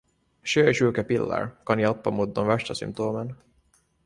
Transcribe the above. Sjösjukepiller kan hjälpa mot de värsta symtomen